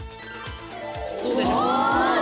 どうでしょう？